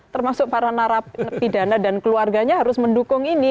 termasuk para narapidana dan keluarganya harus mendukung ini